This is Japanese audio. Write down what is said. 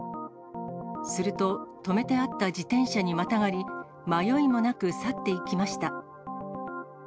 すると、止めてあった自転車にまたがり、迷いもなく去っていきました。